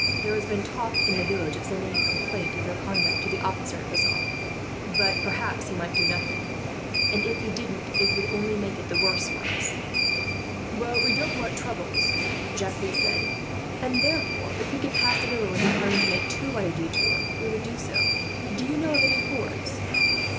There has been a talk, in the village, of sending a complaint of their conduct to the officer at Bazas; but perhaps he might do nothing and, if he didn't, it would only make it the worse for us, here." "We don't want troubles," Jacques said, "and therefore, if we could pass the river without having to make too wide a detour, we would do so. Do you know of any fords?"